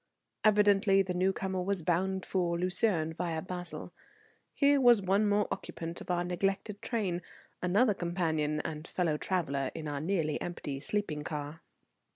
Evidently the newcomer was bound for Lucerne via Basle. Here was one more occupant of our neglected train, another companion and fellow traveller in our nearly empty sleeping car.